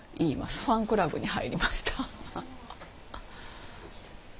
ファンクラブに入りました。